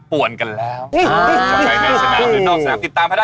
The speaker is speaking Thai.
ปวนสนาม